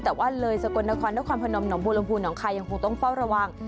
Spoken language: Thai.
แต่ว่าเลยสกลนครด้วยความผนมหนองบูรณพูหนองไขยังคงต้องเฝ้าระวัง